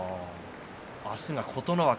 明日は琴ノ若。